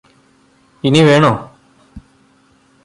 ഇനി വേണോ